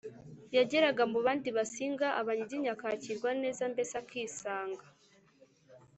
yageraga mu bandi basinga, abanyiginya akakirwa neza, mbese akisanga.